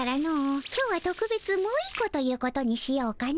今日はとくべつもう１個ということにしようかの。